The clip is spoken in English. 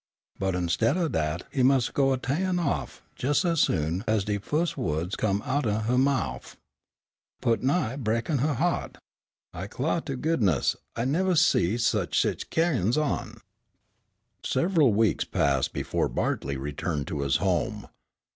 But 'stead o' dat he mus' go a ta'in' off jes' ez soon ez de fus' wo'ds come outen huh mouf. Put' nigh brekin' huh hea't. I clah to goodness, I nevah did see sich ca'in's on." Several weeks passed before Bartley returned to his home.